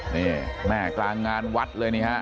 นี่แม่กลางงานวัดเลยนี่ฮะ